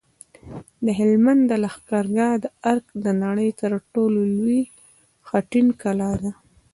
د هلمند د لښکرګاه ارک د نړۍ تر ټولو لوی خټین کلا ده